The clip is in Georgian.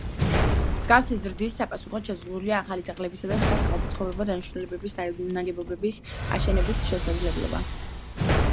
მსგავსი ზრდის საპასუხოდ, შეზღუდულია ახალი სახლებისა და სხვა საყოფაცხოვრებო დანიშნულების ნაგებობების აშენების შესაძლებლობა.